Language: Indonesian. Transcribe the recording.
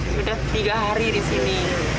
sudah tiga hari di sini